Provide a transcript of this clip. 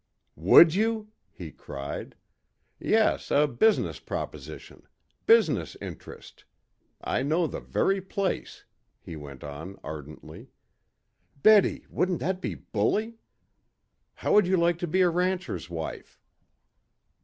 "Would you?" he cried. "Yes, a business proposition. Business interest. I know the very place," he went on ardently. "Betty, wouldn't that be bully? How would you like to be a rancher's wife?"